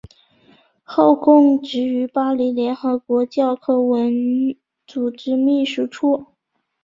后供职于巴黎联合国教科文组织秘书处。